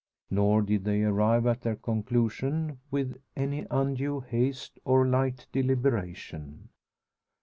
Nor did they arrive at their conclusion with any undue haste or light deliberation.